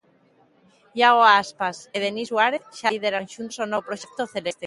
Iago Aspas e Denis Suárez xa lideran xuntos o novo proxecto celeste.